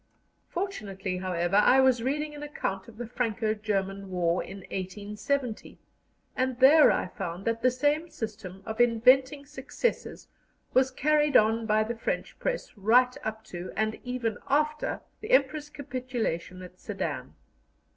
Fortunately, however, I was reading an account of the Franco German War in 1870, and there I found that the same system of inventing successes was carried on by the French press right up to, and even after, the Emperor's capitulation at Sedan.